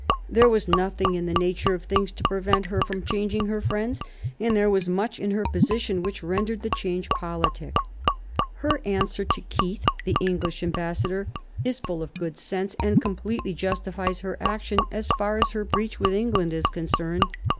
There was nothing in the nature of things to prevent her from changing her friends, and there was much in her position which rendered the change politic. Her answer to 1748 55 CHANGE OF ALLIANCES 115 Keith, the English ambassador, is full of good sense, and completely justifies her action, as far as her breach with England is concerned.